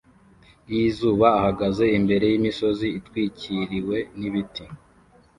y'izuba ahagaze imbere y'imisozi itwikiriwe n'ibiti